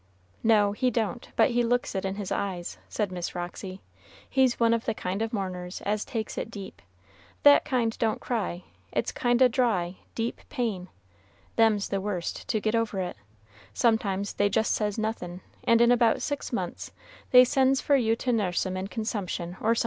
"No, he don't, but he looks it in his eyes," said Miss Roxy; "he's one of the kind o' mourners as takes it deep; that kind don't cry; it's a kind o' dry, deep pain; them's the worst to get over it, sometimes they just says nothin', and in about six months they send for you to nuss 'em in consumption or somethin'.